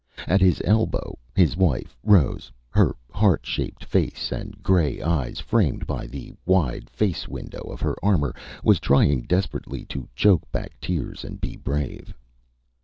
At his elbow, his wife, Rose, her heart shaped face and grey eyes framed by the wide face window of her armor, was trying desperately to choke back tears, and be brave.